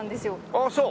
ああそう。